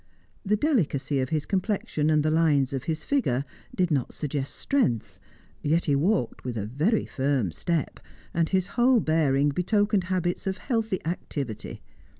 The delicacy of his complexion and the lines of his figure did not suggest strength, yet he walked with a very firm step, and his whole bearing betokened habits of healthy activity.